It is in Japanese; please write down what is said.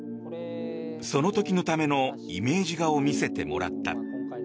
その時のためのイメージ画を見せてもらった。